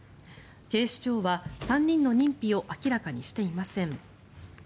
警視庁は３人の認否を明らかにしていません。